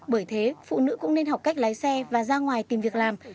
bởi thế phụ nữ cũng nên học cách lái xe và ra ngoài tìm việc làm